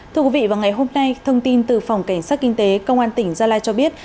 thưa quý vị vào ngày hôm nay thông tin từ phòng cảnh sát kinh tế công an tỉnh gia lai cho biết